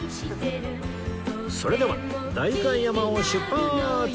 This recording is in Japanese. それでは代官山を出発！